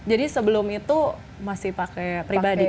jadi sebelum itu masih pakai pribadi